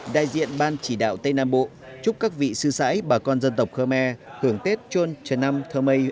đại diện ban chỉ đạo tây nam bộ chúc các vị sư sãi bà con dân tộc khơ me hưởng tết trôn trần nam thơ mây